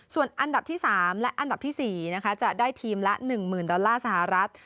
ส่วนอันดับที่๓และอันดับที่๔จะได้ทีมละ๑๐๐๐ดอลลาร์สหรัฐ